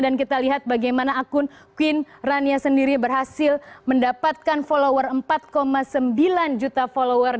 dan kita lihat bagaimana akun queen rania sendiri berhasil mendapatkan follower empat sembilan juta follower